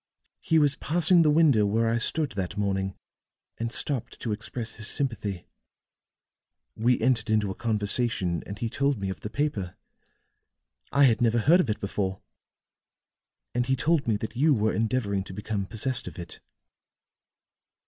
He was passing the window where I stood that morning and stopped to express his sympathy. We entered into a conversation and he told me of the paper I had never heard of it before and he told me that you were endeavoring to become possessed of it.